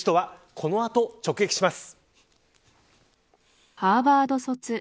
この後、直撃します。